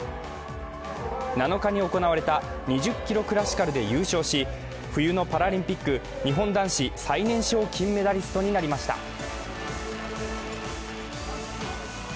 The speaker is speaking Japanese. ７日に行われた２０ｋｍクラシカルで優勝し冬のパラリンピック日本男子最年少金メダリストになりました。